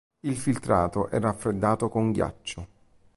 Il filtrato è raffreddato con ghiaccio.